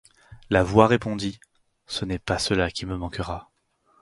La voix répondit: — Ce n’est pas cela qui me manquera.